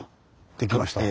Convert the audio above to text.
できました。